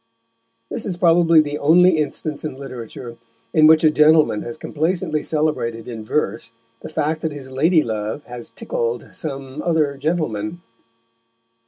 This is probably the only instance in literature in which a gentleman has complacently celebrated in verse the fact that his lady love has tickled some other gentleman.